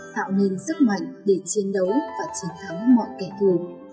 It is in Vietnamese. tạo nên sức mạnh để chiến đấu và chiến thắng mọi kẻ thù